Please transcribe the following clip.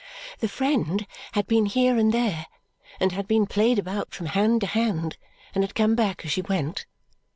The friend had been here and there, and had been played about from hand to hand, and had come back as she went.